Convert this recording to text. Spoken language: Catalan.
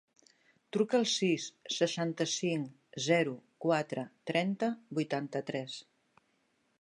Truca al sis, seixanta-cinc, zero, quatre, trenta, vuitanta-tres.